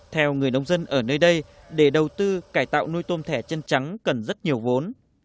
theo người nông dân ở nơi đây để đầu tư cải tạo nuôi tôm thẻ chân trắng cần rất nhiều vốn